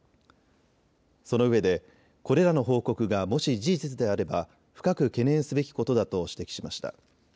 そのうえでこれらの報告がもし事実であれば深く懸念すべきことだと指摘しました。